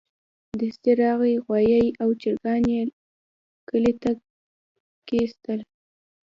دستي راغی غوايي او چرګان يې کلي ته کېستل.